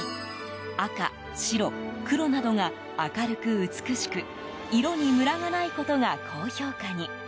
赤、白、黒などが明るく美しく色にムラが無いことが高評価に。